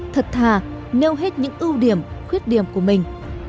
thật thà nêu hết những ưu điểm khuyết điểm của mình